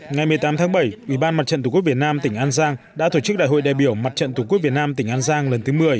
ngày một mươi tám tháng bảy ủy ban mặt trận tổ quốc việt nam tỉnh an giang đã thổ chức đại hội đại biểu mặt trận tổ quốc việt nam tỉnh an giang lần thứ một mươi